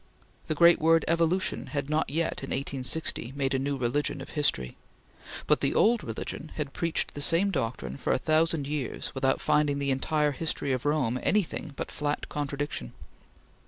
The great word Evolution had not yet, in 1860, made a new religion of history, but the old religion had preached the same doctrine for a thousand years without finding in the entire history of Rome anything but flat contradiction.